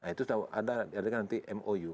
itu sudah ada nanti mou